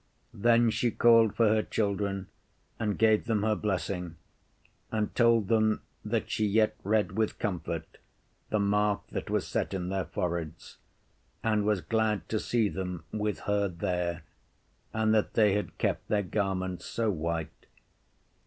Then she called for her children and gave them her blessing, and told them that she yet read with comfort the mark that was set in their foreheads, and was glad to see them with her there, and that they had kept their garments so white.